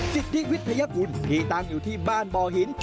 สิทธิวิทยากุลที่ตั้งอยู่ที่บ้านบ่อหิน